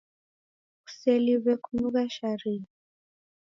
Kuseliwe kunugha sharia